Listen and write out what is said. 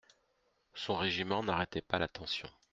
Son régiment n'arrêtait pas l'attention.